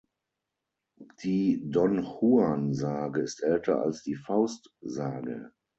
Die Don-Juan-Sage ist älter als die Faust-Sage.